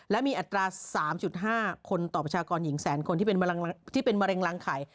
และมีอัตรา๓๕คนต่อประชากรหญิงแสนคนที่เป็นมะเร็งรังไข่